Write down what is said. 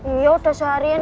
iya sudah seharian